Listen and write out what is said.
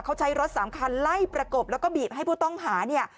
เขาใช้รถสามคันไล่ประกบแล้วก็บีบให้ผู้ต้องหาเนี่ย